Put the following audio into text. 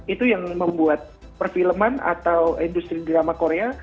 itu yang membuat perfilman atau industri drama korea